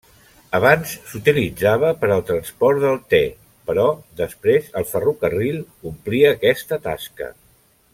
Abans s'utilitzava per al transport del te però després el ferrocarril complí aquesta tasca.